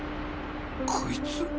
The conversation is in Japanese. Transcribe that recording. こいつ！